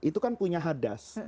itu kan punya hadas